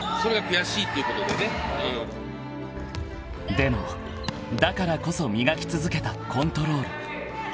［でもだからこそ磨き続けたコントロール］